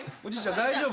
大丈夫？